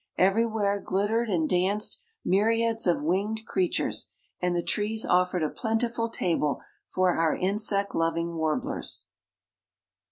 Everywhere glittered and danced myriads of winged creatures, and the trees offered a plentiful table for our insect loving warblers.